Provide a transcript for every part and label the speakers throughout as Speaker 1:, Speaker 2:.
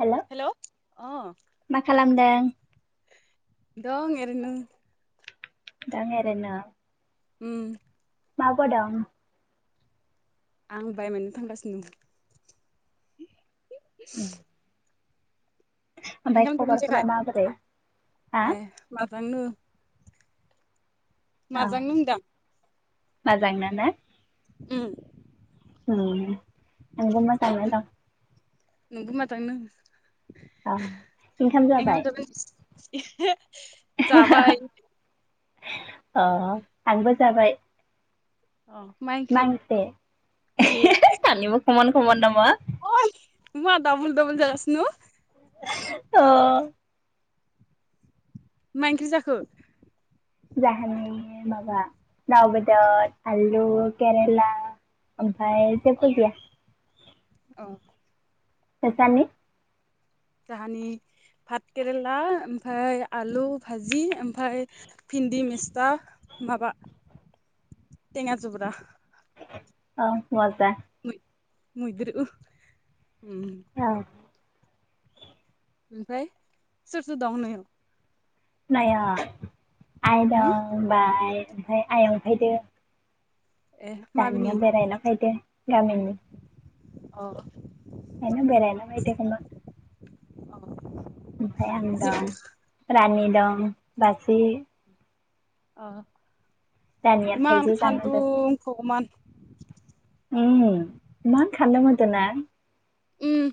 Speaker 1: Hello
Speaker 2: hello अ
Speaker 1: मा खालामदों।
Speaker 2: दं एरैनो
Speaker 1: दं ओरैनो
Speaker 2: उम
Speaker 1: माबा दं
Speaker 2: आं बायनो थांगासिनो दं [inaudible]
Speaker 1: ओमफ्राय
Speaker 2: ओखाम जाबायना
Speaker 1: खबरफोरा माबोरै हा
Speaker 2: जायाखोय ए माजांनो माजां नोंदां।
Speaker 1: मोजां ना?
Speaker 2: उम
Speaker 1: उम नोंबो मोजाङानो दं। औ
Speaker 2: [unintelligible]
Speaker 1: ओंखाम जाबाय
Speaker 2: [unintelligible]
Speaker 1: अ आंबो जाबाय
Speaker 2: अ माइ
Speaker 1: नांसे सानिबो खमान खमान नामा?
Speaker 2: मा दाबल डाबल जागासिनो?
Speaker 1: अ
Speaker 2: मा ओंख्रि जाखो?
Speaker 1: जाहानि माबा दाव बेदर आलु केरेला ओमफ्राय
Speaker 2: औ
Speaker 1: जेबो गैया
Speaker 2: अ
Speaker 1: फसनि
Speaker 2: जाहानि पात केरेला ओमफफ्राय आलु भाजि ओमफफ्राय भिन्दि मिस्ता माबा टेङा जब्रा
Speaker 1: अ मजा
Speaker 2: [unintelligible]
Speaker 1: औ
Speaker 2: ओमफ्राय सोर सोर नवाउ।
Speaker 1: नाय आइ
Speaker 2: उम
Speaker 1: दं होनबाय ओमफफ्राय आइयं फैदो।
Speaker 2: ए
Speaker 1: दानिया
Speaker 2: माबिनि
Speaker 1: बेरायना फैदो गामिनि
Speaker 2: अ
Speaker 1: [unintelligible] ओमफ्राय आं दं रानि दं बासि
Speaker 2: अ
Speaker 1: रानिया
Speaker 2: इमा
Speaker 1: थाइजौ जानो होदों
Speaker 2: सान्दुं मगमान।
Speaker 1: उम एमान सान्दुं होदों ना?
Speaker 2: उम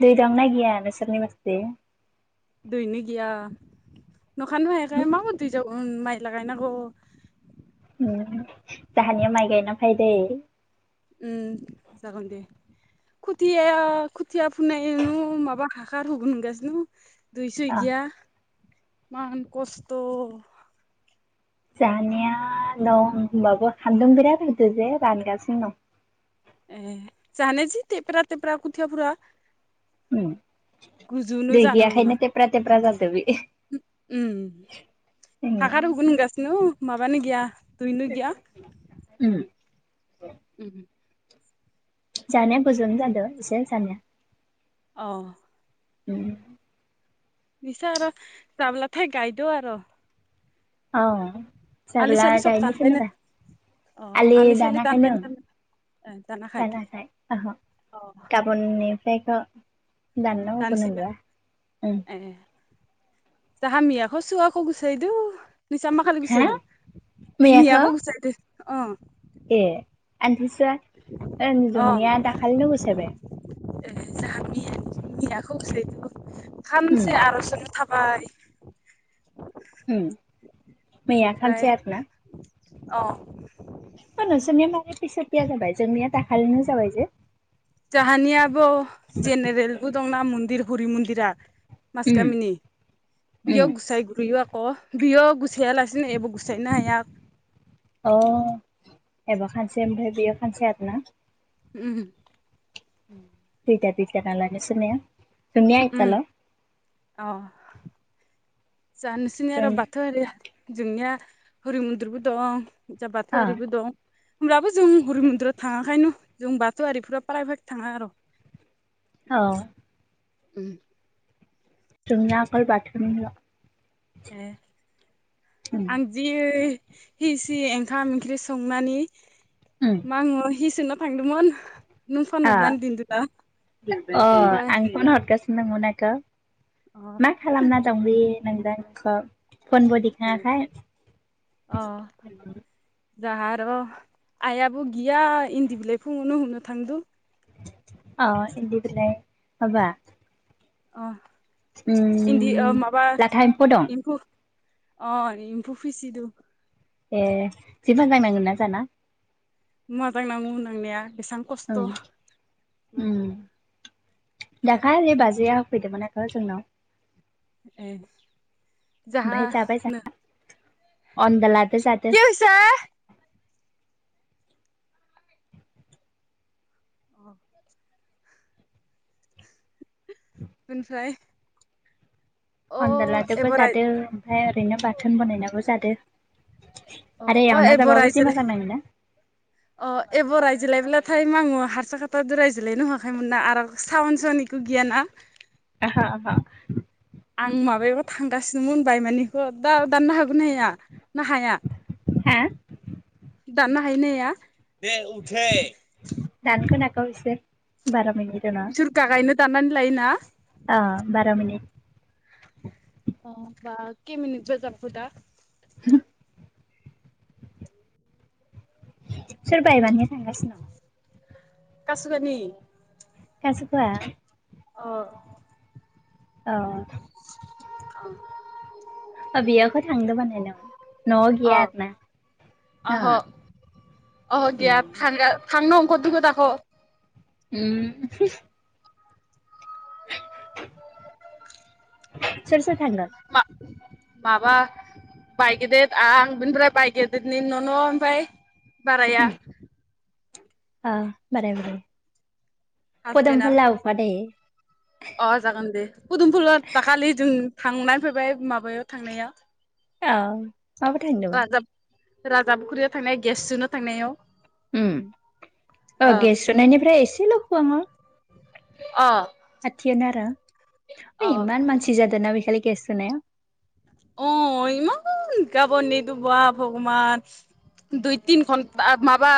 Speaker 1: दै गांनाय गैया नोंसोरनि बादि।
Speaker 2: दैनो गैया न'खनो हायाखै माब दै जाव उन माइ लागायनांगौ।
Speaker 1: जाहानिया माइ गायना फै दै।
Speaker 2: उम जागोन दे खुथिया खुथिया फुननाय नु माबा हाखार होगोन ओनगासिनो। दुइसो
Speaker 1: अ
Speaker 2: गैया एमान खस्थ'।
Speaker 1: जानाया दं होनोमबाबो खान्दुं बिराद होदो जे रानगासिनो दं।
Speaker 2: जानिया जि तेप्रा तेप्रा खथिया फुरा।
Speaker 1: उम दै
Speaker 2: जानो रोङा
Speaker 1: गैयाखायनो थेब्रा थेब्रा जादो बे।
Speaker 2: उम
Speaker 1: उम
Speaker 2: हाखार गुबगुन गाससिनो माबानो गैया दुइनो गैया।
Speaker 1: उम
Speaker 2: उम
Speaker 1: जानाया गोजोन जादों एसे जानाया।
Speaker 2: औ
Speaker 1: औ
Speaker 2: निस आरो जाबलथाय गाय दाव आरो
Speaker 1: औ
Speaker 2: आलि
Speaker 1: जाग्ला
Speaker 2: सालि सब
Speaker 1: गायनोसै
Speaker 2: दानबायनो
Speaker 1: नो दा
Speaker 2: अ आलि सलि गानबायमोन।
Speaker 1: जानथाय
Speaker 2: अ
Speaker 1: गाबोननिफ्रायखौ
Speaker 2: दानसिगोन
Speaker 1: [unintelligible]
Speaker 2: ए [unintelligible]
Speaker 1: हा मैयाखौ
Speaker 2: [unintelligible]
Speaker 1: ए आनथिसुआ ओ
Speaker 2: अ
Speaker 1: जोंनिया दाखालिनो गोसायबाय
Speaker 2: ए जाहाया [unintelligible] खौसे
Speaker 1: ओम
Speaker 2: फानसे आर'जानो थाब बाय
Speaker 1: उम मैया
Speaker 2: बेनिफ्राय
Speaker 1: खानसे आरो ना
Speaker 2: अ
Speaker 1: ओ नोसोरनिया मारै फिस' थिया जाबाय जोंनिया दाखालिनो जाबाय जे?
Speaker 2: जोहानियाब' जेनेरेलबो दंना मन्दिर हुरि मन्दिरा। मास
Speaker 1: ओम
Speaker 2: गामनि
Speaker 1: ओम
Speaker 2: बिय' गुसाय गुरयो आख बिय' गुसाया लासिनो एबो गुसायनो हाया।
Speaker 1: अ एबा खानसे ओमफ्राय बेयो खानसे आरो ना।
Speaker 2: उम।
Speaker 1: खेता खेता ताला नोसरनिया? जोंनिया ए
Speaker 2: उम
Speaker 1: तालाव।
Speaker 2: जा नोसिनि आरो बाथौआरिया जोंनिया हरि मुनद्रिबो दं। जा
Speaker 1: अ
Speaker 2: बाथौआरिबो दं। होमब्लाबो जों हरि मन्दिराव थाङाखायनो जों बाथौआरिफोरा फ्रायभाग थाङा आर'।
Speaker 1: औ।
Speaker 2: उम।
Speaker 1: जोंनिया आखल बाथुनिल'।
Speaker 2: ए
Speaker 1: ओम
Speaker 2: आं जि हिसि ओंखाम ओंख्रि संनानि
Speaker 1: उम
Speaker 2: मा बुङ' हिसोन' थांदुमन। नों फन हरनानि दिनदो दा
Speaker 1: ओ अ
Speaker 2: ओमफाय
Speaker 1: आं फन हरगासिनो दंमोन आगो
Speaker 2: अ।
Speaker 1: मा खालामना दंबि नोंदां नोंख'
Speaker 2: [unintelligible] अ जाहा आर' आइयाबो गिया इन्दि बिलाइ फुङावनो हुनो थांदु।
Speaker 1: अ इन्दि बिलाय माबा।
Speaker 2: अ इन्दि ओ
Speaker 1: उम
Speaker 2: माबा
Speaker 1: लाथा एम्फौ दं
Speaker 2: एम्फु अ निम्फु फिसिदु।
Speaker 1: ए जि मोजां नांगोन ना जाना?
Speaker 2: [unintelligible] नांनाया एसां
Speaker 1: औ उम। दाखालि बाजेया होफैदोंमोन आख' जोंनाव।
Speaker 2: ए।
Speaker 1: ओमफाय जाबाय
Speaker 2: जाहानो
Speaker 1: जाहा अनद्लादो जादो।
Speaker 2: [unintelligible] औ [inaudible] बेनिफ्राय अ
Speaker 1: अनद्लादोबो
Speaker 2: एबाराय
Speaker 1: जादो ओमफाय ओरैनो बाथोन बनायनाबो जादो।
Speaker 2: अ
Speaker 1: आरो
Speaker 2: अ
Speaker 1: एवना
Speaker 2: एब'
Speaker 1: जाबाबो जि
Speaker 2: रायजो
Speaker 1: मोजां नाङोना [inaudible]
Speaker 2: अ एब' रायज्लायब्लाथाय मा बुङ' हारसा भाखाद' रायज्लायनो हुवाखैमोन ना आरो सावन सनि गो गियाना
Speaker 1: आहा आहा
Speaker 2: आं माबायावबु थांगासिनोमोन बायमानानिखौ दा दाननो हागोन हाया? ना हाया
Speaker 1: हा
Speaker 2: दाननो हायो ना हाया? दे उथै।
Speaker 1: दानखौ नाख' इसे बारा मिनि दना
Speaker 2: दुर्गा गायनो दानानै लायोना?
Speaker 1: अ बार' मिनिट।
Speaker 2: अ बा खे मिनिटसो जाखु दा?
Speaker 1: [inaudible] सोरबाया बानो थांगासिनो दं
Speaker 2: कासुगानि
Speaker 1: कासुगा
Speaker 2: ओ
Speaker 1: औ बेयाखौ थांदों बानाय ना
Speaker 2: अ
Speaker 1: गैया आरोना
Speaker 2: अह
Speaker 1: दङ
Speaker 2: अह गैया थां थांनो अंखर दङो दाख'
Speaker 1: उम सोर सोर थांगोन
Speaker 2: मा माबा बाय गेदिर आं बिनिफ्राय बाय गेदिरनि न' न' ओमफ्राय बाराया
Speaker 1: अ बाराय बुरै पदोम
Speaker 2: हासबेन्डआ
Speaker 1: फुला अफा थायो
Speaker 2: अ जागोन दे पुदुमफुल दाखालि जों थांनानै फैबाय माबायाव थांनायाव
Speaker 1: औ माबा थांदोंमोन
Speaker 2: राजाबा राजाबाखुर्रियाव थांनाय गेस जाव थांनायाव
Speaker 1: औ
Speaker 2: अ
Speaker 1: गेस सुनायनिफ्राय एसेल' खुवङो
Speaker 2: अ
Speaker 1: खाथियानो आरो
Speaker 2: अ
Speaker 1: हि इमान मानसि जादों ना बेखालि गेस सोनाया
Speaker 2: अ इमान गाबनिथु बा भगबान दुइ तिन घन्टा माबा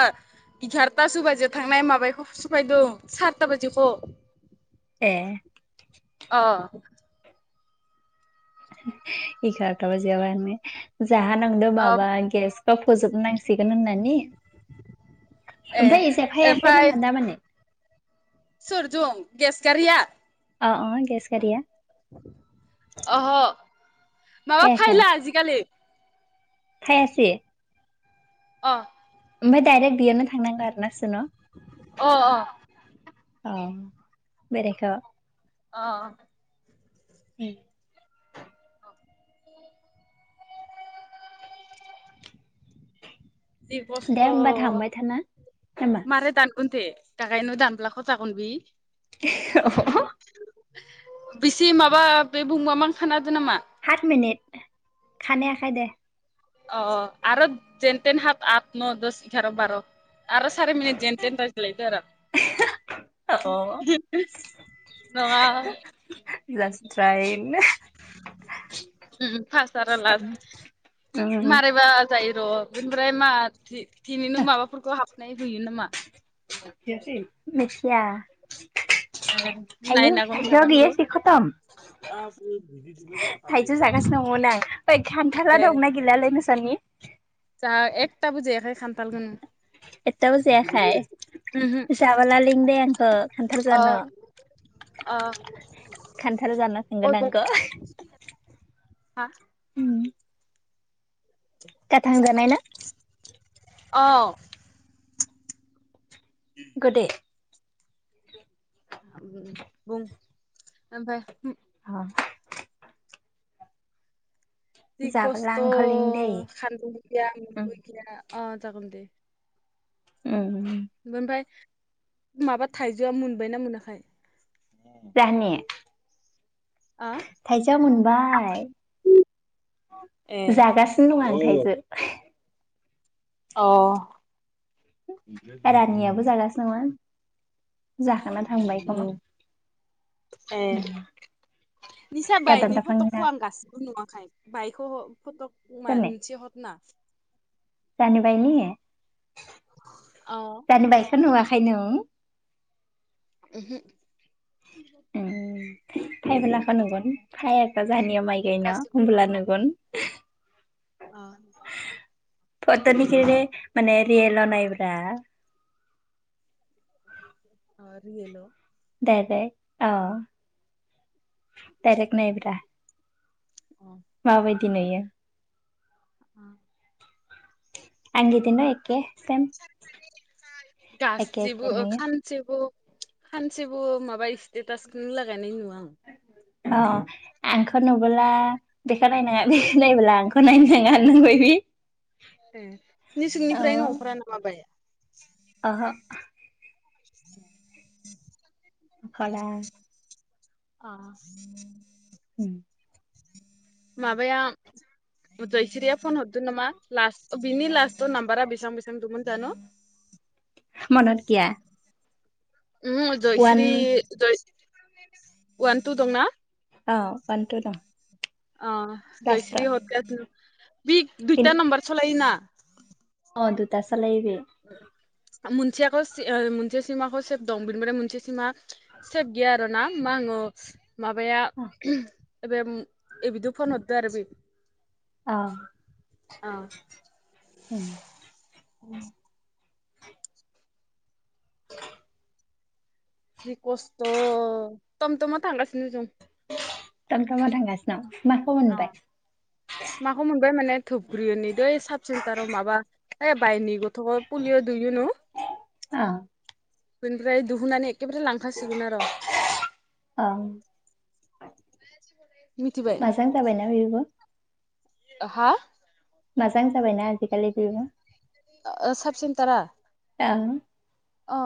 Speaker 2: एगारथासो बाजियाव थांनाय माबायखौ सफायदों सातथा बाजिसो
Speaker 1: ए
Speaker 2: अ
Speaker 1: एगारथा बाजियाबा जाहा नांदों
Speaker 2: अ
Speaker 1: माबा गेस बाव फोजोबनांसिगोन होननानै
Speaker 2: ए
Speaker 1: ओमफ्राय इजा फैखायाखै
Speaker 2: ओमफ्राय
Speaker 1: नामा दामाने
Speaker 2: सोरजों गेस गारिया
Speaker 1: अ अ गेस गारिया
Speaker 2: अह माबा फायला आजिखालि
Speaker 1: फैयासि
Speaker 2: अ
Speaker 1: ओमफ्राय डायरेक्ट बेयावनो थांनांगौ आरो ना नोंसोर न'
Speaker 2: अ अ
Speaker 1: अ बेरायखा
Speaker 2: अ
Speaker 1: [unintelligible]
Speaker 2: जि
Speaker 1: दे
Speaker 2: खस्थ'
Speaker 1: होमबा थांबाय थाना नामा
Speaker 2: मारै दानगोन दे दागायनो दानब्लाख'खौ जागोन बि
Speaker 1: [unintelligible]
Speaker 2: बेसे माबा बे बुंबा मां खानादो नामा
Speaker 1: हाथ मिनिट खानानायखै दे
Speaker 2: अ आरो जेनेन हाथ आत न दस एगार' बार' आरो सारि मिनिट जेन जेनथेन रायलायसै आरो
Speaker 1: [unintelligible]
Speaker 2: नङा
Speaker 1: जास थ्रायनो
Speaker 2: उम फासट आरो लास्ट मारै बा जायो र' बेनिफ्राय मा दिनैनो माबाफोरखौ हाबनाय होयो नामा
Speaker 1: मिथिया
Speaker 2: ए
Speaker 1: आयु
Speaker 2: नायनांगोन
Speaker 1: थाइजौया
Speaker 2: आं
Speaker 1: गैया
Speaker 2: र'
Speaker 1: से कत'म [unintelligible] थाइजु जागासिनो दंमोन आं ओइ खान्थाला दंना गैलालै नोंसानि
Speaker 2: जाहा एकथाबो जायाखैनो खानथालखोनो
Speaker 1: एथटाबो जायाखै
Speaker 2: उमहो
Speaker 1: जाबोला लिं दे आंखो खान्थाल
Speaker 2: अ
Speaker 1: जान
Speaker 2: अ
Speaker 1: खान्थाल जानो सोंग
Speaker 2: अ बुं
Speaker 1: नांगौ
Speaker 2: हा
Speaker 1: उम गाथां जानाय ना
Speaker 2: अ
Speaker 1: गोदै
Speaker 2: बुं ओमफ्राय
Speaker 1: हा
Speaker 2: खि
Speaker 1: जाबोला
Speaker 2: खसत
Speaker 1: आंखौ लिं दै
Speaker 2: खानदुंबो गैया
Speaker 1: उम
Speaker 2: माबो गैया अ जागोन दे
Speaker 1: उम
Speaker 2: ओमफ्राय माबा थाइजौआ मोनबायना मोनाखै
Speaker 1: जाहोनि
Speaker 2: आ
Speaker 1: थाइजौया मोनबाय
Speaker 2: ए
Speaker 1: जागासिनो दङ आं थायजो
Speaker 2: अ
Speaker 1: रानिनियाबो जागासिनो दङ जाखांना थांबाय खोमा
Speaker 2: उम ए निस
Speaker 1: गादान
Speaker 2: बायनि
Speaker 1: दाफांना
Speaker 2: फटकखौ आं गासि नुवाखाय बायखौ फटक मोनसे हरना
Speaker 1: जानि बायनि
Speaker 2: अ
Speaker 1: दानि बाइकखौ नुवाखै नों
Speaker 2: ओमहो
Speaker 1: ओं फायबोलाखौ नुगोन फाय अब्ला जोंहानिया माइ गायना
Speaker 2: गासिबो
Speaker 1: होनोमबोला नुगोन [inaudible]
Speaker 2: अ
Speaker 1: फट' लख माने रियेल नाय ब्रा
Speaker 2: आ रयेलाव
Speaker 1: दे दे औ दायरेख नाय ब्रा
Speaker 2: अ
Speaker 1: माबायदि नुयो
Speaker 2: अ
Speaker 1: आं गिदिनो एके सेम एके एखे नोयो
Speaker 2: सानसेबो सानसेबो माबा स्टेटासखौनो लागायनाय नुवा आं
Speaker 1: अ आंखौ नुबोला बेखौ नायनाङा बेखौ नायबोला आंखौ नायनो नङा होननायबायदि
Speaker 2: ए नसिंनिफ्रायनो अंखरा नामा बे
Speaker 1: आहो
Speaker 2: [inaudible]
Speaker 1: खाला
Speaker 2: अ
Speaker 1: उम
Speaker 2: माबाया जयसिरिया फन हरददों नामा लास बिनि लासट नामबारा बिसां बिसां दंमोन जानु
Speaker 1: मनत गिया
Speaker 2: उमहु जयस्रि जय वान टु दंना
Speaker 1: अ वान‌ टु दं
Speaker 2: अ जयस्र
Speaker 1: लास्टआव
Speaker 2: हदग बि
Speaker 1: बेन
Speaker 2: दुइथा नाम्बार सलायोना
Speaker 1: अ दुथा सालायो बि
Speaker 2: मोनसेयाखौ मोनसे सिमाखौ सेब दं बिनिफ्राय मोनसे सिमा सेब गिया आरो ना मा हनो माबाया एबे बिदिद' फन हरदो आरो बे
Speaker 1: अ
Speaker 2: अ
Speaker 1: उम,
Speaker 2: जि कसथ तमथ तमाव थांगासिनो जों
Speaker 1: तम तमाव थांगासि माखौ
Speaker 2: अ
Speaker 1: मोनबाय
Speaker 2: माखौ मोनबाय माने धुब्रिनिदै साब सेन्टाराव माबा ओइ बायनि गथ' पुलिअ दुयो न'
Speaker 1: अ
Speaker 2: बेनिफ्राय दुहुननानै एखेबारे लांखासिगोन आरो।
Speaker 1: अ
Speaker 2: [inaudible]
Speaker 1: माजां जाबायना बेबो?
Speaker 2: ओहा
Speaker 1: माजां जाबाय ना आजिकालि बेबो
Speaker 2: साब सेन्टारा
Speaker 1: [unintelligible]
Speaker 2: अ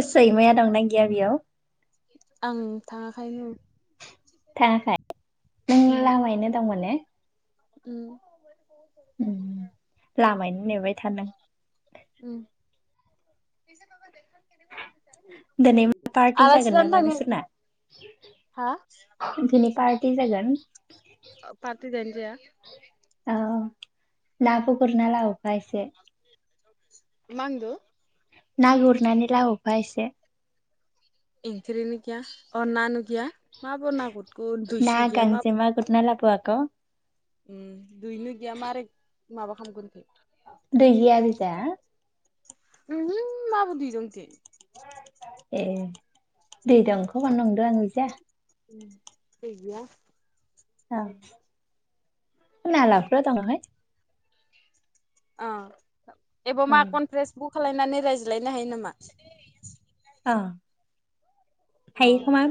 Speaker 1: ओ सैमाया दंना गैया बेयाव?
Speaker 2: आं थाङाखायनो
Speaker 1: थाङाखै नों
Speaker 2: उमहो
Speaker 1: लामायैनो दं माने
Speaker 2: उम
Speaker 1: लामायनो नेबाय थादों
Speaker 2: [inaudible]
Speaker 1: दिनै मा पार्टि
Speaker 2: आलासि
Speaker 1: जागोन
Speaker 2: जानो
Speaker 1: नामा
Speaker 2: थांनि
Speaker 1: नोंसोरना
Speaker 2: हा
Speaker 1: [unintelligible] दिनै पार्टि जागोन
Speaker 2: पार्टि जाहोना जाया
Speaker 1: ओ नाबो गुरना लाबोबा एसे
Speaker 2: मा होनदु
Speaker 1: ना गुरनानै लाबोफा एसे
Speaker 2: एंख्रि नु गया अ ना नु गैया मा बा नुगुर दुइस
Speaker 1: ना
Speaker 2: गैया मा [unintelligible]
Speaker 1: गांजेमा गुरना लाबो आक'
Speaker 2: दुइनो गैया मारै माबा खामगोन दे
Speaker 1: दै गैया ओरैजा
Speaker 2: उमहु माबै दि दं इथि
Speaker 1: ए दै दं [unintelligible] नंदों आं इजा
Speaker 2: दै गैया
Speaker 1: अ नालाफ्रि दं बेवहाय
Speaker 2: अ एब
Speaker 1: औ
Speaker 2: मा कनप्रेन्स बु खालायनानै रायज्लायनो हायो नामा?
Speaker 1: अ हायो
Speaker 2: अ
Speaker 1: खोमा